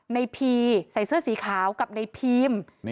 พีใส่เสื้อสีขาวกับในพีม